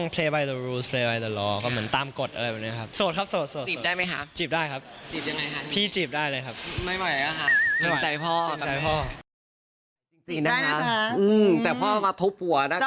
เป็นใจพ่อ